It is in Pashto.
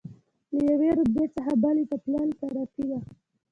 له یوې رتبې څخه بلې ته تلل ترفیع ده.